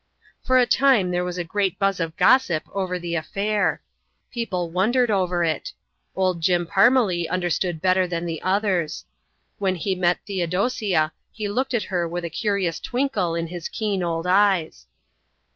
For a time there was a great buzz of gossip over the affair. People wondered over it. Old Jim Parmelee understood better than the others. When he met Theodosia he looked at her with a curious twinkle in his keen old eyes.